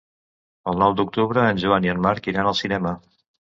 El nou d'octubre en Joan i en Marc iran al cinema.